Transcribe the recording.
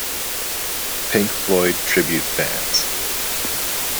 Pink Floyd tribute bands.